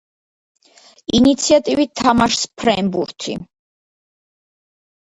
ინიციატივით თამაშს ფრენბუთი